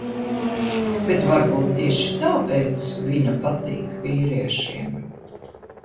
Bet varbūt tieši tāpēc viņa patīk vīriešiem.